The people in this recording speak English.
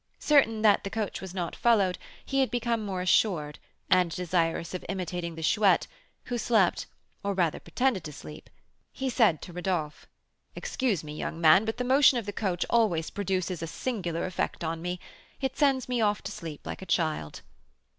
Certain that the coach was not followed, he had become more assured, and desirous of imitating the Chouette, who slept, or rather pretended to sleep, he said to Rodolph: "Excuse me, young man, but the motion of the coach always produces a singular effect on me, it sends me off to sleep like a child."